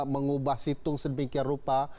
mengubah situng sedemikian rupa